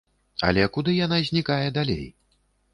Але куды яна знікае далей?